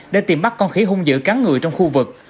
để tìm bắt con khỉ hung dữ cắn người trong khu vực